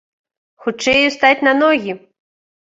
Хутчэй устаць на ногі!